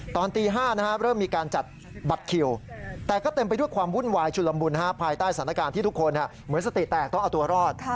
ตอนตี๕เริ่มมีการจัดบัตรคิวแต่ก็เต็มไปด้วยความวุ่นวายชุลมุนภายใต้สถานการณ์ที่ทุกคนเหมือนสติแตกต้องเอาตัวรอด